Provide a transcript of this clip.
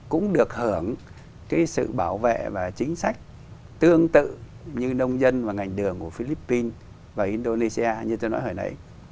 cũng được hưởng cái sự bảo vệ và chính sách tương tự như nông dân và ngành đường của philippines và indonesia như tôi nói hồi nãy